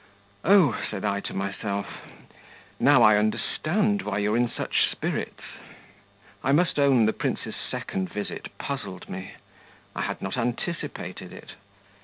'Oh,' said I to myself; 'now I understand why you're in such spirits.' I must own the prince's second visit puzzled me. I had not anticipated it.